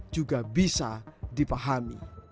juga bisa dipahami